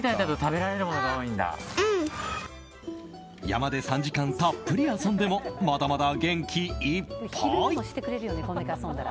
山で３時間たっぷり遊んでもまだまだ元気いっぱい。